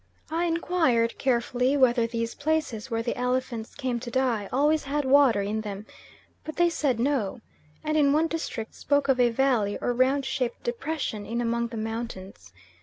I inquired carefully whether these places where the elephants came to die always had water in them, but they said no, and in one district spoke of a valley or round shaped depression in among the mountains.